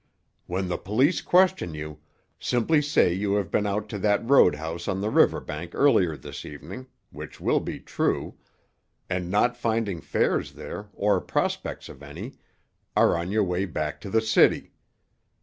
"When the police question you, simply say you have been out to that road house on the river bank earlier this evening—which will be true—and not finding fares there, or prospects of any, are on your way back to the city.